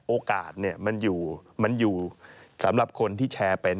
โอกาสมันอยู่สำหรับคนที่แชร์เป็น